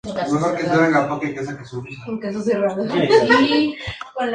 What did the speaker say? Edgar sufrió fractura de costillas, mientras que Maynard sufrió una lesión en la rodilla.